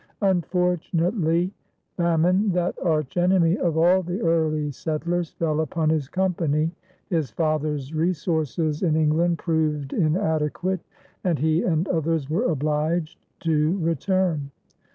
Unfortunately, famine, that arch enemy of all the early settlers, fell upon his company, his father's resources in England proved inadequate, and he and others were obliged to return.